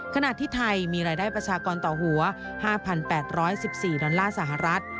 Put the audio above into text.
ขณะที่ไทยมีรายได้ประชากรต่อหัว๕๘๑๔ดอลลาร์สหรัฐ